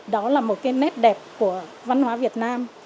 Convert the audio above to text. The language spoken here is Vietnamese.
đó là một cái nét đẹp của văn hóa việt nam